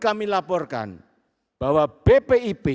kemampuan disciple di mereka juga ber dion di indonesia di